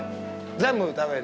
全部食べる。